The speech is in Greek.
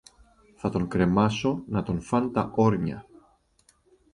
Θα τον κρεμάσω να τον φαν τα όρνια